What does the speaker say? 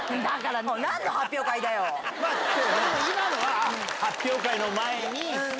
今のは発表会の前に。